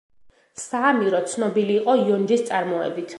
საამირო ცნობილი იყო იონჯის წარმოებით.